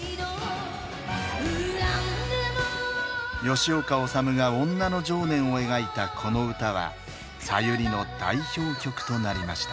吉岡治が女の情念を描いたこの歌はさゆりの代表曲となりました。